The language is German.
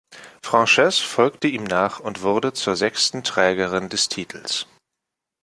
Frances folgte ihm nach und wurde zur sechsten Trägerin des Titels.